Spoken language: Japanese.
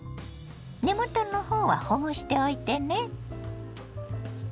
根元のほうはほぐしておいてね。